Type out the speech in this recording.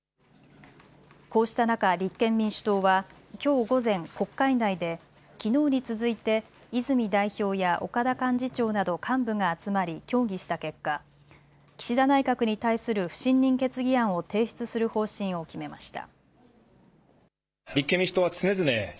こうした中、立憲民主党はきょう午前、国会内できのうに続いて泉代表や岡田幹事長など幹部が集まり協議した結果、岸田内閣に対する不信任決議案を提出する方針を決めました。